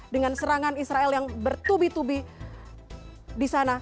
dengan serangan israel yang bertubi tubi di sana